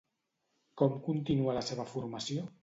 Com continua la seva formació?